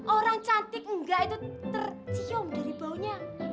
orang cantik enggak itu tercium dari baunya